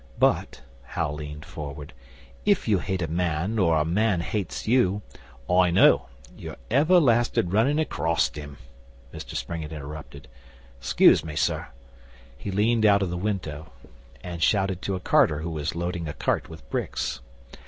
But' Hal leaned forward 'if you hate a man or a man hates you ' 'I know. You're everlastin' running acrost him,' Mr Springett interrupted. 'Excuse me, sir.' He leaned out of the window, and shouted to a carter who was loading a cart with bricks.